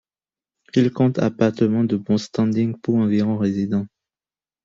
Il compte appartements de bon standing pour environ résidents.